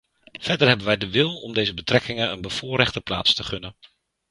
Verder hebben wij de wil om deze betrekkingen een bevoorrechte plaats te gunnen.